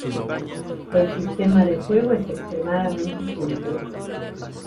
El sistema de juego es extremadamente simple.